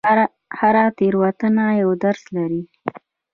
هره تېروتنه یو درس لري.